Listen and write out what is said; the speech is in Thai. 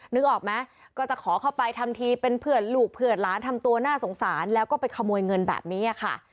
นึกออกไหมก็จะขอเข้าไปทำทีเป็นเพื่อนลูกเพื่อนหลานทำตัวน่าสงสารแล้วก็ไปขโมยเงินแบบนี้ค่ะ